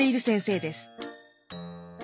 先生